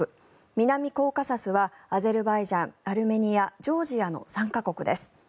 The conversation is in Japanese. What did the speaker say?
南コーカサスはアゼルバイジャンアルメニアジョージアの３か国です。